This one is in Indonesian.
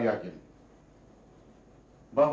saya rasa tidak tahan